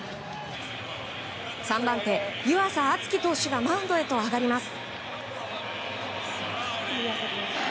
３番手、湯浅京己投手がマウンドへと上がります。